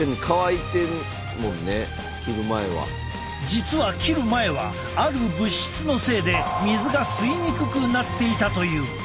実は切る前はある物質のせいで水が吸いにくくなっていたという。